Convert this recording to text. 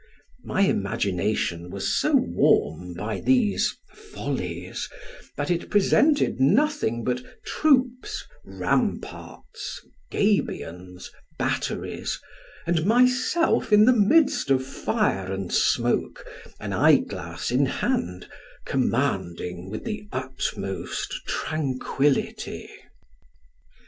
My imagination was so warm by these follies, that it presented nothing but troops, ramparts, gabions, batteries, and myself in the midst of fire and smoke, an eyeglass in hand, commanding with the utmost tranquility.